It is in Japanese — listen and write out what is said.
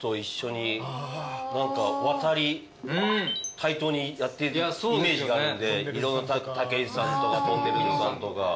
対等にやってるイメージがあるんでたけしさんとかとんねるずさんとか。